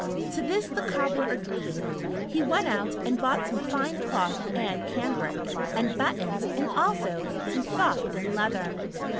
To this the cobbler agreed. He went out and bought some fine cloth and cambric, and buttons and also some soft thin leather.